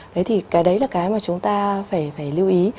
thế thì cái đấy là cái mà chúng ta phải lưu ý